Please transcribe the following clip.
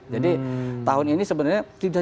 jadi tahun ini sebenarnya